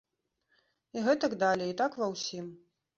І гэтак далей, і так ва ўсім.